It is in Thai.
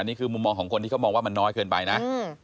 นี่คือมุมมองของคนที่เขามองว่ามันน้อยเกินไปนะ